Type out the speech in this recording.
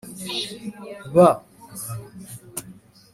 b